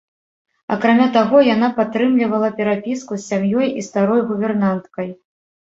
Акрамя таго, яна падтрымлівала перапіску з сям'ёй і старой гувернанткай.